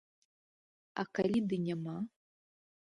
А калі ды няма?